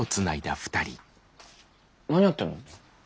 何やってんの？